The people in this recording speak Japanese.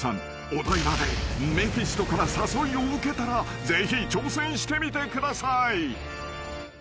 ［お台場でメフィストから誘いを受けたらぜひ挑戦してみてください］